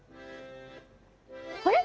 あれ？